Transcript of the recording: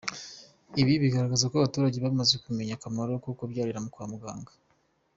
Ibi bigaragaza ko abaturage bamaze kumenya akamaro ko kubyarira kwa muganga.